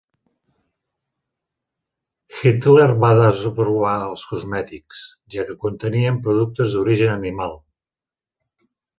Hitler va desaprovar els cosmètics, ja que contenien productes d'origen animal.